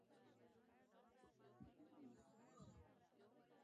مغولانو هم پرافغانستان باندي يرغل کړی و.